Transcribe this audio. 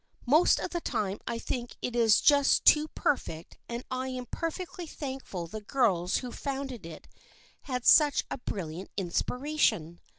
Most of the time I think it just too perfect and am perfectly thankful the girls who founded it had such a brilliant inspiration.